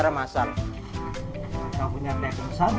ramasan kamu nyampe nyampe